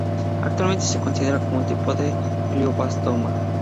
Actualmente se considera como un tipo de glioblastoma.